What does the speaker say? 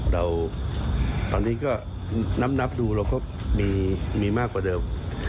เราตอนนี้ก็นับดูเราก็มีมากกว่าเดิม